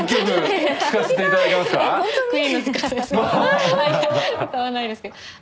歌わないですけど。